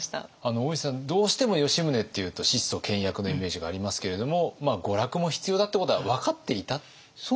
大石さんどうしても吉宗っていうと質素倹約のイメージがありますけれども娯楽も必要だってことは分かっていたんですか？